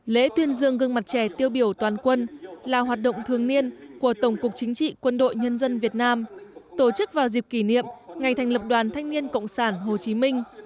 lễ tuyên dương gương mặt trẻ tiêu biểu toàn quân là hoạt động thường niên của tổng cục chính trị quân đội nhân dân việt nam tổ chức vào dịp kỷ niệm ngày thành lập đoàn thanh niên cộng sản hồ chí minh